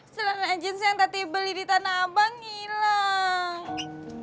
selamat jeans yang tadi beli di tanah abang hilang